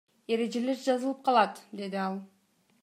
Эрежелер жазылып калат, — деди ал.